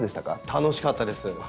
楽しかったです！